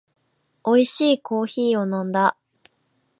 おいしいコーヒーを飲んだ